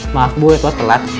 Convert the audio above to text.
maaf bu ya tuhan telat